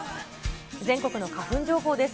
全国の花粉情報です。